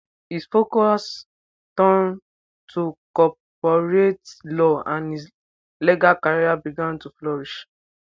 His focus turned to corporate law and his legal career began to flourish.